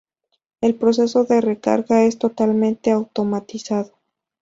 El proceso de recarga es totalmente automatizado.